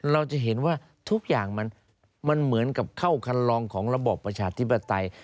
เราจะเห็นว่าทุกอย่างมันเหมือนกับเข้าคันลองของระบอบประชาธิปไตย